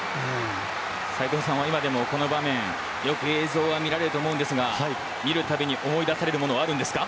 斎藤さんは今でもこの場面よく映像は見られると思いますが、見るたびに思い出されますか。